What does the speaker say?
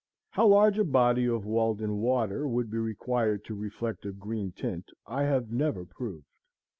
How large a body of Walden water would be required to reflect a green tint I have never proved.